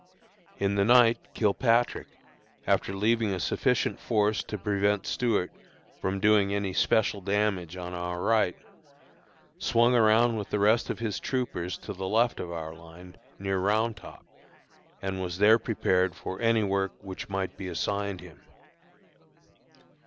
In the night, Kilpatrick, after leaving a sufficient force to prevent Stuart from doing any special damage on our right, swung around with the rest of his troopers to the left of our line, near Round Top, and was there prepared for any work which might be assigned him.